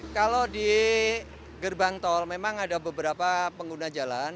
kalau di gerbang tol memang ada beberapa pengguna jalan